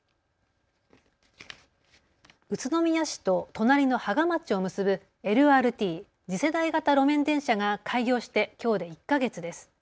宇都宮市と隣の芳賀町を結ぶＬＲＴ・次世代型路面電車が開業してきょうで１か月です。